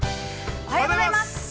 ◆おはようございます。